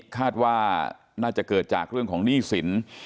คาดว่าน่าจะเกิดจากเรื่องของหนี้สิน